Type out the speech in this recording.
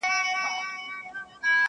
ما دي د کوثر په نوم د زهرو جام چښلی دی .!